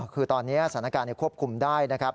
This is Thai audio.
คือตอนนี้สถานการณ์ควบคุมได้นะครับ